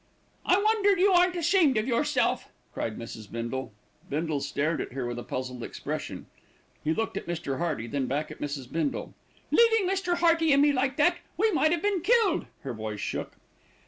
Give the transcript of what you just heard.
"I wonder you aren't ashamed of yourself," cried Mrs. Bindle. Bindle stared at her with a puzzled expression. He looked at Mr. Hearty, then back again at Mrs. Bindle. "Leaving Mr. Hearty and me like that. We might have been killed." Her voice shook.